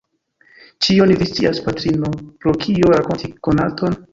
Ĉion vi scias, patrino, pro kio rakonti konaton?